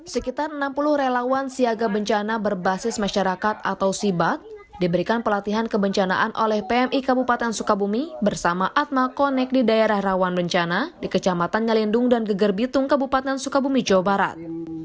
sekitar enam puluh relawan siaga bencana berbasis masyarakat atau sibat diberikan pelatihan kebencanaan oleh pmi kabupaten sukabumi bersama atma konek di daerah rawan bencana di kecamatan ngelindung dan gegerbitung kabupaten sukabumi jawa barat